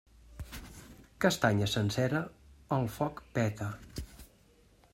Castanya sencera, al foc peta.